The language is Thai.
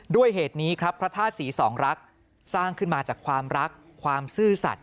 เหตุนี้ครับพระธาตุศรีสองรักสร้างขึ้นมาจากความรักความซื่อสัตว